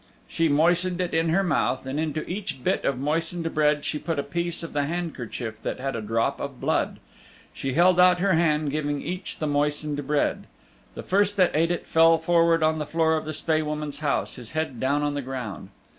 She moistened it in her mouth, and into each bit of moistened bread she put a piece of the handkerchief that had a drop of blood. She held out her hand, giving each the moistened bread. The first that ate it fell forward on the floor of the Spae Woman's house, his head down on the ground.